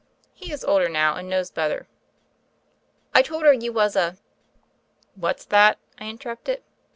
He is older now, and knows better. "I told her you was a " "What's that?" I interrupted.